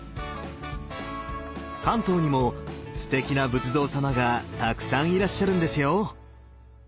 関東にもすてきな仏像様がたくさんいらっしゃるんですよ！